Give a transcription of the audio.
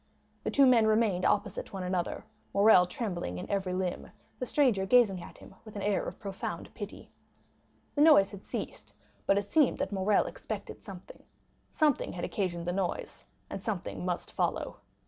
The two men remained opposite one another, Morrel trembling in every limb, the stranger gazing at him with an air of profound pity. The noise had ceased; but it seemed that Morrel expected something—something had occasioned the noise, and something must follow.